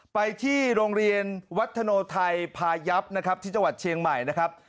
ไปที่โรงเรียนวัฒโนไทยพายับนะครับที่จังหวัดเชียงใหม่นะครับ